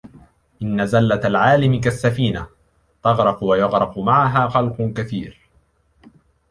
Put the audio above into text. إنَّ زَلَّةَ الْعَالِمِ كَالسَّفِينَةِ تَغْرَقُ وَيَغْرَقُ مَعَهَا خَلْقٌ كَثِيرٌ